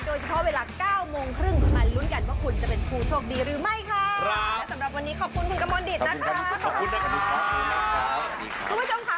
โดยเฉพาะเวลา๙โมงครึ่ง